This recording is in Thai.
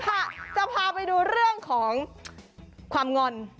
ค่ะจะพาไปดูเรื่องของความงอน